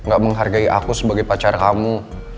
gak menghargai aku sebagai pacar kamu